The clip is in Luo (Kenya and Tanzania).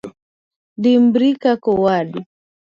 Dimbri kaka owadu.